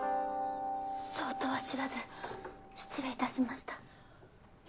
そうとは知らず失礼いたしました。